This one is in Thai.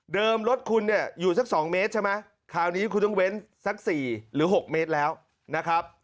รถคุณเนี่ยอยู่สัก๒เมตรใช่ไหมคราวนี้คุณต้องเว้นสัก๔หรือ๖เมตรแล้วนะครับ